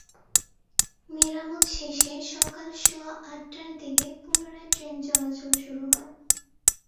মেরামত শেষে সকাল সোয়া আটটার দিকে পুনরায় ট্রেন চলাচল শুরু হয়।